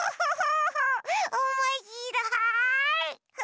おもしろい！